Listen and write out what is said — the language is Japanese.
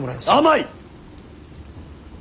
甘い！